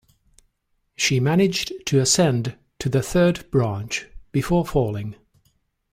She managed to ascend to the third branch, before falling.